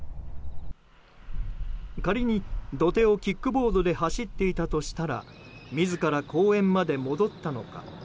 仮に土手をキックボードで走っていたとしたら自ら公園まで戻ったのか。